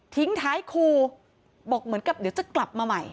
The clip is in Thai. ทิ้งท้ายครูบอกเหมือนกับเดี๋ยวจะกลับมาใหม่